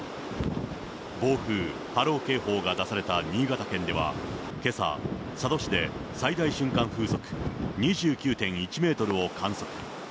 暴風、波浪警報が出された新潟県ではけさ、佐渡市で、最大瞬間風速２９．１メートルを観測。